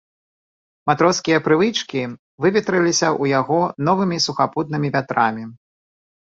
Матроскія прывычкі выветрыліся ў яго новымі сухапутнымі вятрамі.